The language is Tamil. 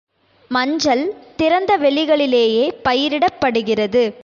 மஞ்சள் திறந்த வெளிகளிலேயே பயிரிடப்படுகிறது.